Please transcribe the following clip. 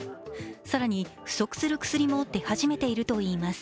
更に不足する薬も出始めているといいます。